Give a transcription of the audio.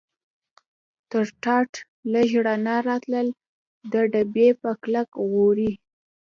تر ټاټ لږ رڼا راتلل، د ډبې په کلک غولي.